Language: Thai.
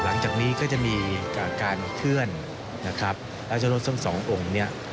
หลังจากนี้ก็จะมีการเคลื่อนราชรสทั้งสององค์นี้